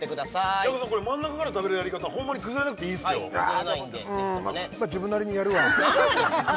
平子さん真ん中から食べるやり方ホンマに崩れなくていいですよ崩れないんでぜひねま自分なりにやるわ何なん？